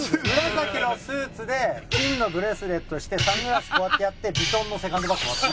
紫のスーツで金のブレスレットしてサングラスこうやってやってヴィトンのセカンドバッグを持って。